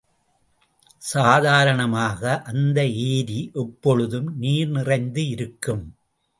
சாதாரணமாக அந்த ஏரி எப்பொழுதும் நீர் நிறைந்து இருக்கும்.